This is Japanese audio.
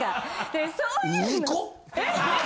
でそういう。